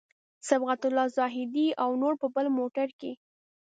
صفت الله زاهدي او نور په بل موټر کې.